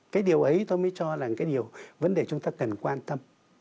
cái điều ấy tôi mới cho là cái điều vấn đề chúng ta cần quan tâm